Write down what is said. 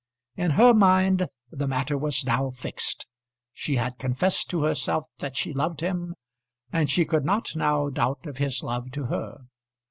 In her mind the matter was now fixed. She had confessed to herself that she loved him, and she could not now doubt of his love to her.